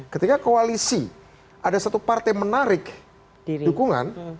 ketika koalisi ada satu partai menarik dukungan